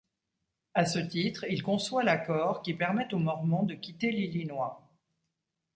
À ce titre, il conçoit l'accord qui permet aux mormons de quitter l'Illinois.